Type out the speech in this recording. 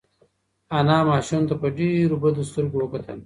انا ماشوم ته په ډېرو بدو سترګو وکتل.